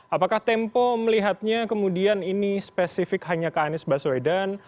apakah tempo melihatnya kemudian ini spesifik hanya ke anies baswedan